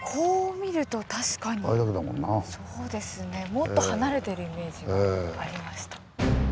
もっと離れてるイメージがありました。